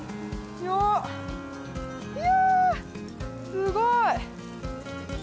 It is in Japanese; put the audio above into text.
すごい。